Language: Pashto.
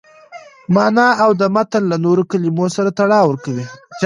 مانا او د متن له نورو کلمو سره تړاو ورکوي.